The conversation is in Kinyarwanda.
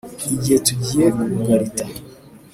igihe tugiye kugarita